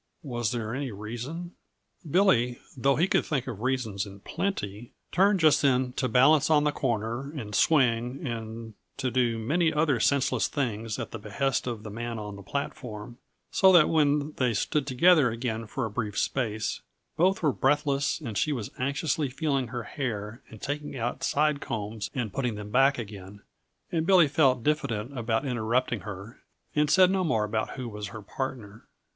Was there any reason Billy, though he could think of reasons in plenty, turned just then to balance on the corner and swing, and to do many other senseless things at the behest of the man on the platform, so that when they stood together again for a brief space, both were breathless and she was anxiously feeling her hair and taking out side combs and putting them back again, and Billy felt diffident about interrupting her and said no more about who was her partner.